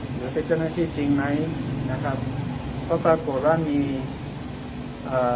หรือเป็นเจ้าหน้าที่จริงไหมนะครับก็ปรากฏว่ามีเอ่อ